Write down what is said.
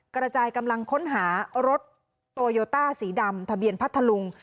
กระจายกำลังค้นหารถโตโยต้าสีดำทะเบียนพัทธลุง